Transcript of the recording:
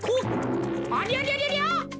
ありゃりゃりゃりゃ？